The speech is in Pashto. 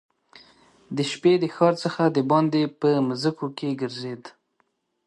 د شپې د ښار څخه دباندي په مځکو کې ګرځېد.